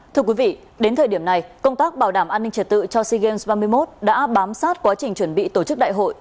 thưa quý vị đến thời điểm này công tác bảo đảm an ninh trật tự cho sea games ba mươi một đã bám sát quá trình chuẩn bị tổ chức đại hội